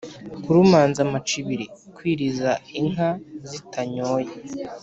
kurumanza amacibiri: kwiriza inka zitanyoye